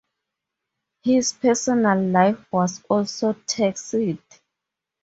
His personal life was also taxed.